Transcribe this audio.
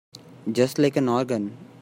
Just like an organ.